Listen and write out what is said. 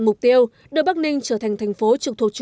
sang khu vực asean đạt năm bảy mươi ba tỷ usd